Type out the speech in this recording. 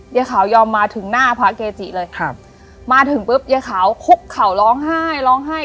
ยายขาวยอมมาถึงหน้าพระเกจิเลยครับมาถึงปุ๊บยายขาวคุกเข่าร้องไห้ร้องไห้